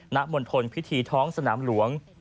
ณมลทนวิธีท้องสนามหลวง